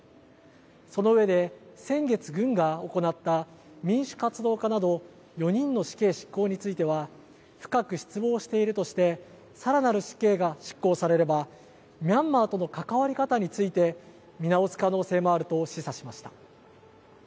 その上で先月、軍が行った民主活動家など４人の死刑執行については深く失望しているとしてさらなる死刑が執行されればミャンマーとの関わり方について見直す可能性もあると示唆しました。